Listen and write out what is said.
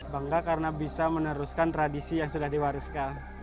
bangga karena bisa meneruskan tradisi yang sudah diwariskan